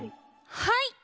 はい！